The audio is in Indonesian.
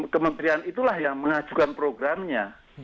kementerian itulah yang mengajukan programnya